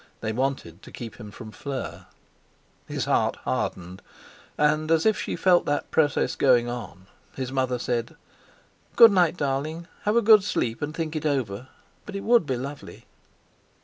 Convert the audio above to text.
They wanted to keep him from Fleur. His heart hardened. And, as if she felt that process going on, his mother said: "Good night, darling. Have a good sleep and think it over. But it would be lovely!"